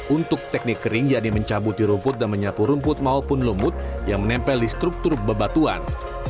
untuk teknik kering yaitu mencabut di rumput dan menyapu rumput maupun lumut yang menempel di struktur bebatuan